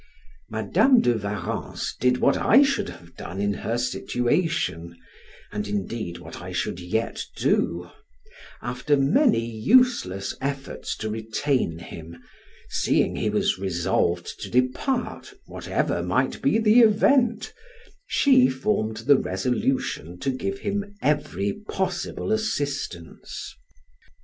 Madam de Warrens did what I should have done in her situation; and indeed, what I should yet do: after many useless efforts to retain him, seeing he was resolved to depart, whatever might be the event, she formed the resolution to give him every possible assistance.